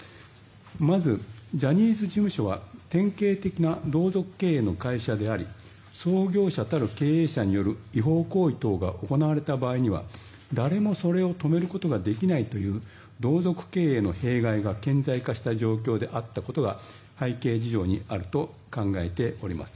まずジャニーズ事務所は典型的な同族経営の会社であり創業者たる経営者による違法行為等が行われた場合には、誰もそれを止めることができないという同族経営の弊害が顕在化した状態であったことが背景事情にあると考えております。